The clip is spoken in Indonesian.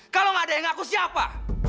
kalau nggak ada yang ngaku siapa